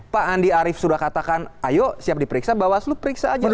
pak andi arief sudah katakan ayo siap diperiksa bawaslu periksa aja